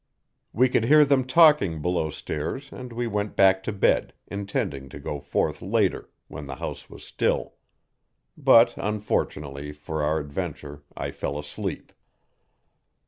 We could hear them talking below stairs and we went back to bed, intending to go forth later when the house was still. But' unfortunately for our adventure I fell asleep.